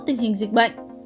tình hình dịch bệnh